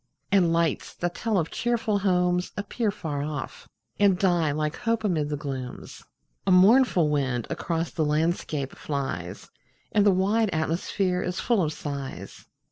And lights, that tell of cheerful homes, appear Far off, and die like hope amid the glooms. A mournful wind across the landscape flies, And the wide atmosphere is full of sighs.